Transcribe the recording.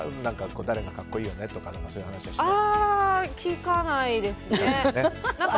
誰が格好いいよねとかそういう話はしないんですか？